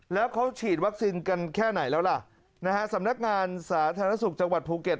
แล้วเขาฉีดวัคซีนกันแค่ไหนแล้วล่ะนะฮะสำนักงานสาธารณสุขจังหวัดภูเก็ต